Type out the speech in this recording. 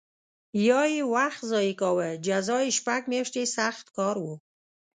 یا یې وخت ضایع کاوه جزا یې شپږ میاشتې سخت کار و